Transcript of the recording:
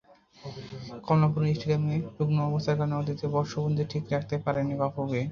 কমলাপুর স্টেডিয়ামের রুগ্ণ অবস্থার কারণে অতীতে বর্ষপঞ্জি ঠিক রাখতে পারেনি বাফুফে।